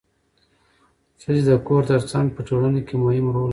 ښځې د کور ترڅنګ په ټولنه کې مهم رول لري